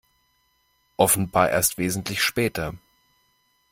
Offenbar erst wesentlich später.